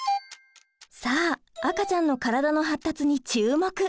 さあ赤ちゃんの体の発達に注目！